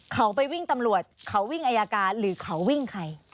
เขาไปวิ่งตำรวจเขาวิ่งอายการหรือเขาวิ่งใคร